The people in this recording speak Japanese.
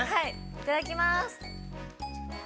いただきまーす。